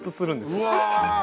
うわ！